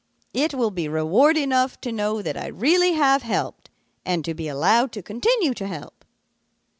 It will be reward enough to know that I really have helped and to be allowed to continue to help.'